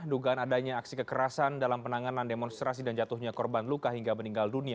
dugaan adanya aksi kekerasan dalam penanganan demonstrasi dan jatuhnya korban luka hingga meninggal dunia